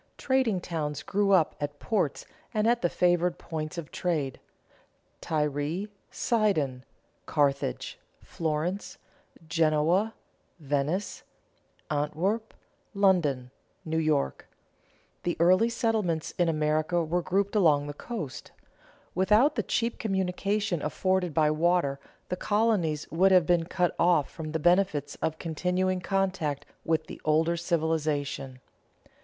Trading towns grew up at ports and at the favored points of trade: Tyre, Sidon, Carthage, Florence, Genoa, Venice, Antwerp, London, New York. The early settlements in America were grouped along the coast. Without the cheap communication afforded by water, the colonies would have been cut off from the benefits of continuing contact with the older civilization.